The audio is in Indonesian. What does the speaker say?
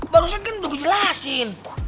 barusan kan udah gua jelasin